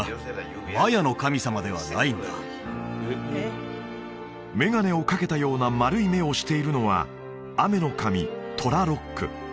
ホントに眼鏡を掛けたような丸い目をしているのは雨の神トラロック